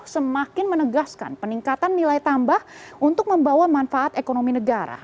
semakin menegaskan peningkatan nilai tambah untuk membawa manfaat ekonomi negara